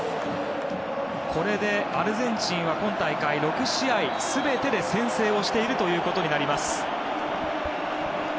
これでアルゼンチンは今大会、６試合全てで先制をしているということになります。